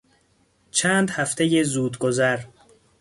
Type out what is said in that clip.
چند هفتهی زودگذر